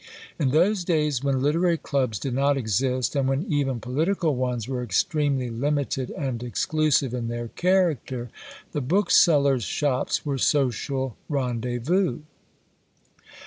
In those days, when literary clubs did not exist, and when even political ones were extremely limited and exclusive in their character, the booksellers' shops were social rendezvous.